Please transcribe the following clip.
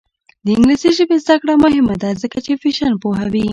د انګلیسي ژبې زده کړه مهمه ده ځکه چې فیشن پوهوي.